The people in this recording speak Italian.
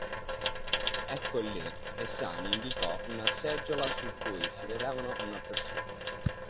Eccoli lì, e Sani indicò una seggiola su cui si vedevano una persona